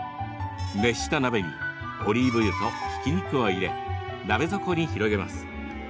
熱した鍋にオリーブ油とひき肉を入れ、鍋底に広げます。